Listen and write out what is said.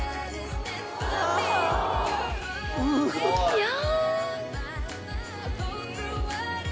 いや。